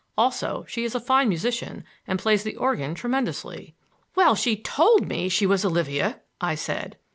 Also, she's a fine musician and plays the organ tremendously." "Well, she told me she was Olivia!" I said.